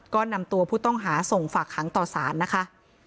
ก็นำตัวผู้ต้องหาส่งฝากขังต่อสารนะคะ